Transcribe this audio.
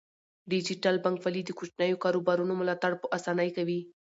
ډیجیټل بانکوالي د کوچنیو کاروبارونو ملاتړ په اسانۍ کوي.